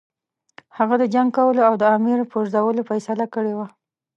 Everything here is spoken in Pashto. هغه د جنګ کولو او د امیر پرزولو فیصله کړې وه.